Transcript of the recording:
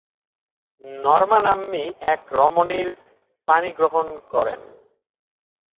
Norma নাম্নী এক রমণীর পাণিগ্রহণ করেন।